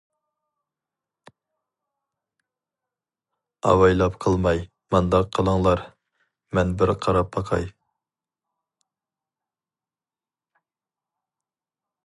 -ئاۋايلاپ قىلماي، مانداق قىلىڭلا، مەن بىر قاراپ باقاي.